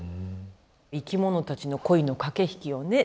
生きものたちの恋の駆け引きをね